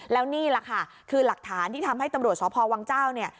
แล้วนี่แหละค่ะคือหลักฐานที่ทำให้ตำรวจสพวังเจ้าเนี่ย